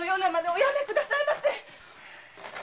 おやめ下さいませ。